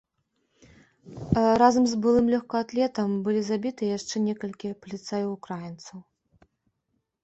Разам з былым лёгкаатлетам былі забітыя яшчэ некалькі паліцаяў-украінцаў.